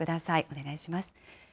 お願いします。